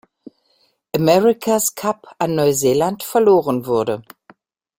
America's Cup an Neuseeland verloren wurde.